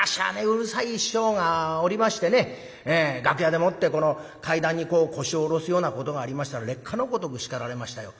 うるさい師匠がおりましてね楽屋でもってこの階段にこう腰を下ろすようなことがありましたら烈火のごとく叱られましたよ。